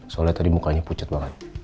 soalnya tadi mukanya pucat banget